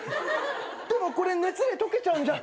でもこれ熱で溶けちゃうんじゃ？